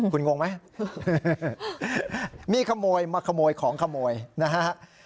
คุณงงไหมมีขโมยมาขโมยของขโมยนะฮะ